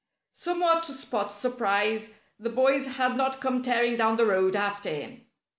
Somewhat to Spot's surprise the boys had not come tearing down the road after him.